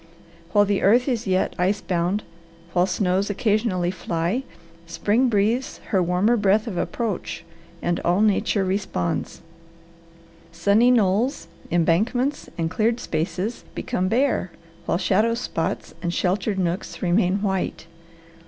While the earth is yet ice bound, while snows occasionally fly, spring breathes her warmer breath of approach, and all nature responds. Sunny knolls, embankments, and cleared spaces become bare, while shadow spots and sheltered nooks remain white.